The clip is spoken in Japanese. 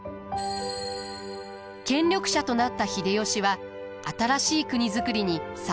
権力者となった秀吉は新しい国造りに才覚を発揮します。